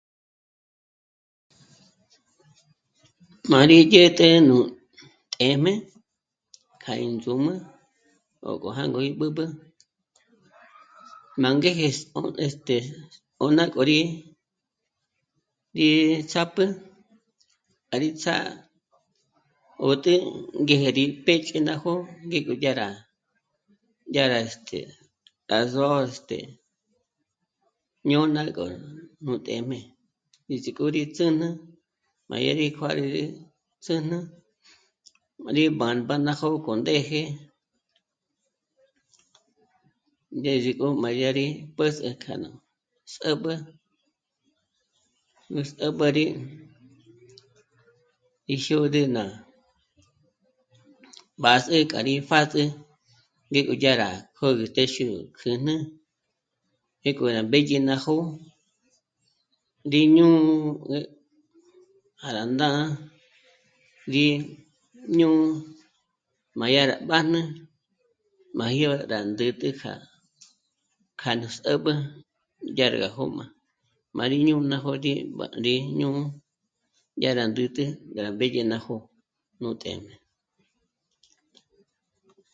Má rí dyä̀t'ä nú t'é'm'e k'a ín ndzǔm'ü ó k'o jângo rí b'ǚb'ü, ná ngéje só'o este... ó ná k'ö̀ri, rí ts'ápjü gá rí ts'â'a 'ö̀tü ngéje rí péjch'e ná jó'o ngék'o dyá rá, dyá rá este... rá zò'o este... ñôna k'o nú t'éjm'e, ndízik'o rí ndzǘn'ü, má dyà rí kjuârü ts´ǘn'ü, má rí bâmba ná jó'o k'o ndéje, ndízik'o má yá rí pä̀s'ü k'a nú s'ä̌b'ü, gú s'ä̌b'ari í jyôd'ü ná b'ás'ü k'a rí pját'ü ngék'o dyá rá jö́gü téxi ó kjǘjnü pjék'o rá mbédye ná jó'o, rí ñū́'ū já rá ndá'a gí ñū́'ū má dyá rá mbájn'ü, má jyó rá ndä̌t'ä kja... kja nú s'ä̌b'ü dyárga jóm'a, má rí ñôna jód'i b'á rí ñū́'ū yá rá ndä̌t'ä yá rá mbéñe ná jó'o nú téjm'e